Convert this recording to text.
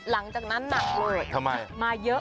หลังจากนั้นน่ะมาเยอะ